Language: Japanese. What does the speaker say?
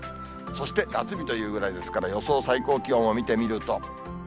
そして、夏日というぐらいですから、予想最高気温を見てみると。